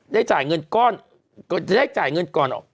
จ่ายเงินก้อนก็จะได้จ่ายเงินก่อนออก